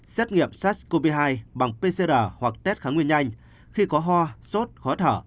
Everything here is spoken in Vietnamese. xét nghiệm sars cov hai bằng pcr hoặc test kháng nguyên nhanh khi có ho sốt khó thở